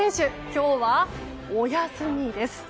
今日はお休みです。